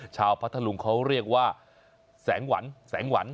พัทธลุงเขาเรียกว่าแสงหวันแสงหวัน